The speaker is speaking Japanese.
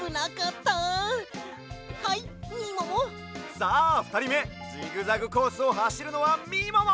さあふたりめジグザグコースをはしるのはみもも！